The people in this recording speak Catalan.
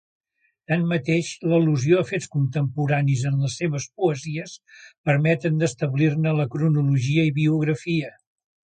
Tanmateix l'al·lusió a fets contemporanis en les seves poesies permeten d'establir-ne la cronologia i biografia.